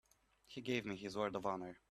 He gave me his word of honor.